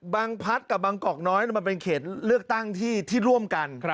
พัดกับบางกอกน้อยมันเป็นเขตเลือกตั้งที่ร่วมกัน